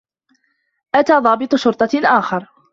أتى ضابط شرطة آخر.